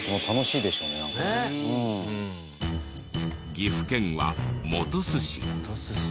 岐阜県は本巣市。